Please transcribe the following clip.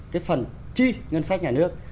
cái phần chi ngân sách nhà nước